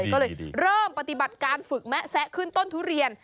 ก็เลยเริ่มปฏิบัติการฝึกแมะแซะขึ้นต้นทุเรียน